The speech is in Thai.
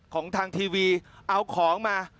ของทางทีวีเอาของมา